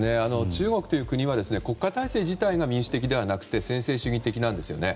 中国という国は国家体制自体が民主的ではなくて専制主義的なんですね。